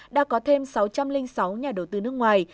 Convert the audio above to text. đã có thêm sáu trăm linh sáu nhà đầu tư nước ngoài